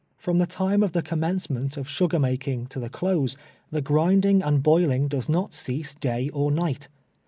From the time of the commence ment of sugar making to the close, the grinding and boiling does not cease day or night.